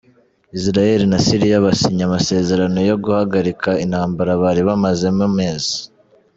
Israel na Syrie basinye amasezerano yo guhagarika intambara bari bamazemo amezi .